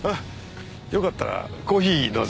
よかったらコーヒーどうぞ。